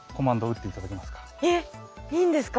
えっいいんですか？